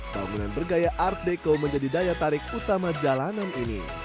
tahun tahun bergaya art deko menjadi daya tarik utama jalanan ini